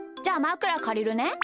じゃあまくらかりるね。